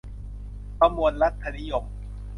ประมวลรัฐนิยม